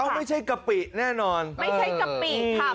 ไม่ใช่กะปิแน่นอนไม่ใช่กะปิค่ะ